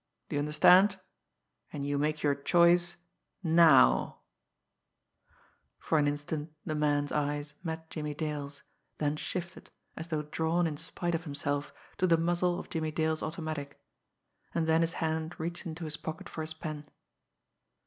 Do you understand? And you make your choice now." For an instant the man's eyes met Jimmie Dale's, then shifted, as though drawn in spite of himself, to the muzzle of Jimmie Dale's automatic; and then his hand reached into his pocket for his pen.